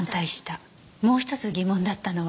もう１つ疑問だったのは。